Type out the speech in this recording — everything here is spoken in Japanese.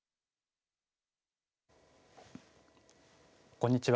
こんにちは。